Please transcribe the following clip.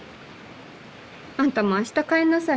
あんたもう明日帰んなさい。